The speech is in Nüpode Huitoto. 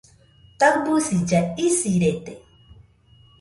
Taɨbisilla isirede